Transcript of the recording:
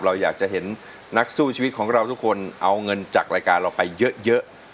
เราอยากจะเห็นนักสู้ชีวิตของเราทุกคนเอาเงินจากรายการเราไปเยอะ